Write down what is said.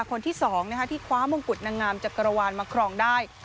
คนที่๒ที่คว้ามงกุฎนางงามจักรวาลมาครองได้